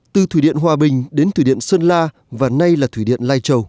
từ thử điện hòa bình đến thử điện sơn la và nay là thử điện lai châu